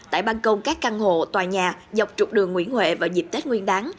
tại băng công các căn hộ tòa nhà dọc trục đường nguyễn huệ vào dịp tết nguyên đáng